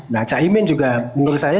nah caimin juga menurut saya